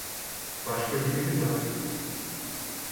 Başka biri mi var?